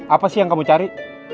apa sih yang kamu cari